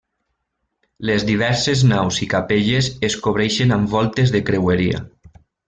Les diverses naus i capelles es cobreixen amb voltes de creueria.